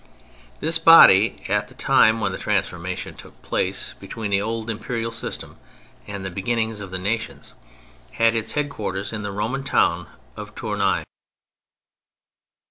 This body at the time when the transformation took place between the old Imperial system and the beginnings of the nations, had its headquarters in the Roman town of Tournai.